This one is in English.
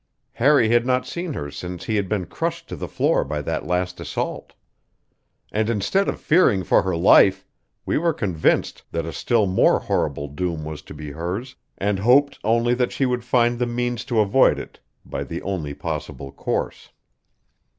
Harry had not seen her since he had been crushed to the floor by that last assault. And instead of fearing for her life, we were convinced that a still more horrible doom was to be hers, and hoped only that she would find the means to avoid it by the only possible course.